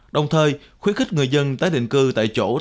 đồng thời khuyến khích người dân tái định cư tại chỗ thành phố